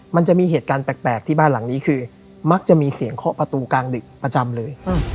มันจะมีเหตุการณ์แปลกที่บ้านหลังนี้คือมักจะมีเสียงเคาะประตูกลางดึกประจำเลย